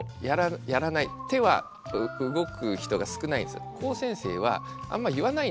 手は動く人が少ないんです。